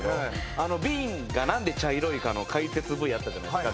あのビンがなんで茶色いかの解説Ｖあったじゃないですか